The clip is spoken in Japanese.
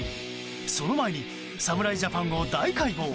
その前に侍ジャパンを大解剖！